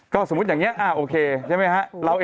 ก็สมมุติอย่างนี้โอเคใช่ไหมฮะ